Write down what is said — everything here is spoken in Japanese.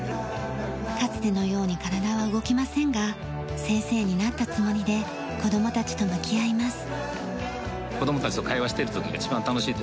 かつてのように体は動きませんが先生になったつもりで子供たちと向き合います。